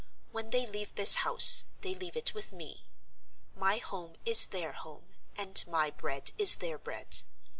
When they leave this house, they leave it with me. My home is their home, and my bread is their bread.